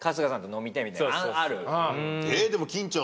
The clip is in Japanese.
でも金ちゃん